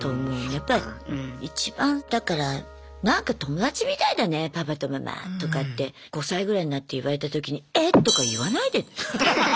やっぱり一番だから「なんか友達みたいだねパパとママ」とかって５歳ぐらいになって言われたときに「えっ？」とか言わないでね。